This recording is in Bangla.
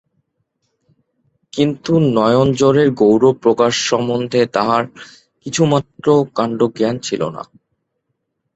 কিন্তু নয়নজোড়ের গৌরব প্রকাশসম্বন্ধে তাঁহার কিছুমাত্র কাণ্ডজ্ঞান ছিল না।